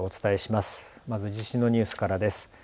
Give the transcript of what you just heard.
まず地震のニュースからです。